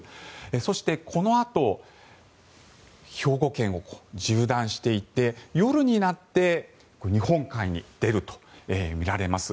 そして、このあと兵庫県を縦断していって夜になって日本海に出るとみられます。